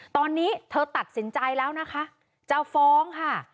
ตอนนี้เธอตัดสินใจแล้วนะคะจะฟ้องค่ะ